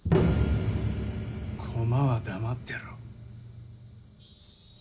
コマは黙ってろ。